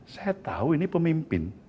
saya tahu ini pemimpin